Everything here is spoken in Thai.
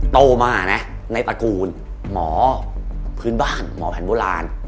โตมานะในตระกูลหมอพื้นบ้านหมอแผนโบราณ